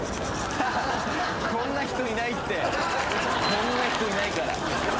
こんな人いないから。